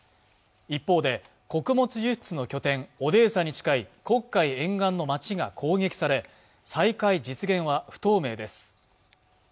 一方で穀物輸出の拠点オデーサに近い黒海沿岸の街が攻撃され再開実現は不透明です